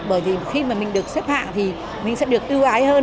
bởi vì khi mà mình được xếp hạng thì mình sẽ được ưu ái hơn